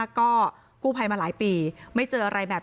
พี่สาวต้องเอาอาหารที่เหลืออยู่ในบ้านมาทำให้เจ้าหน้าที่เข้ามาช่วยเหลือ